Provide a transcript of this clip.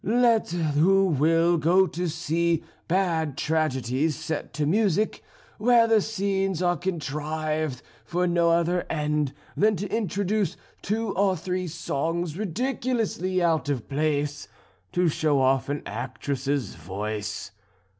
Let who will go to see bad tragedies set to music, where the scenes are contrived for no other end than to introduce two or three songs ridiculously out of place, to show off an actress's voice.